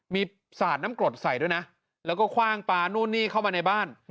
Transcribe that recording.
มีสาดน้ำกรดใส่ด้วยนะแล้วก็คว่างปลานู่นนี่เข้ามาในบ้าน